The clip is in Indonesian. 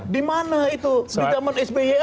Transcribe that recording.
di mana itu di zaman sby